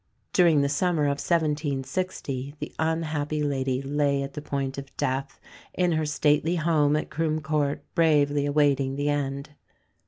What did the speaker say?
During the summer of 1760 the unhappy lady lay at the point of death, in her stately home at Croome Court, bravely awaiting the end.